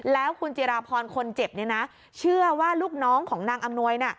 แล้วคุณจิราพรคนเจ็บเนี่ยนะเชื่อว่าลูกน้องของนางอำนวย